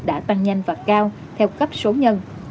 đã tăng nhanh và cao theo cấp số nhân